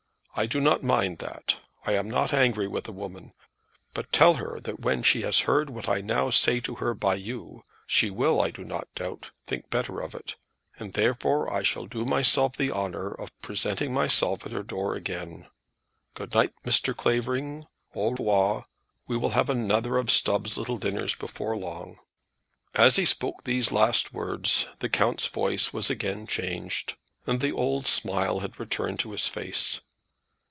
I do not mind that. I am not angry with a woman. But tell her that when she has heard what I now say to her by you, she will, I do not doubt, think better of it; and therefore I shall do myself the honour of presenting myself at her door again. Good night, Mr. Clavering; au revoir; we will have another of Stubbs' little dinners before long." As he spoke these last words the count's voice was again changed, and the old smile had returned to his face.